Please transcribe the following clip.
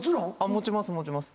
持ちます持ちます。